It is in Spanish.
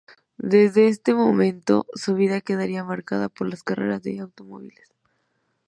Desde este momento su vida quedaría marcada por las carreras de automóviles.